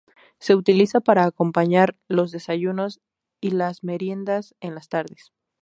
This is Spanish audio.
Se utiliza para acompañar los desayunos y la meriendas en las tardes.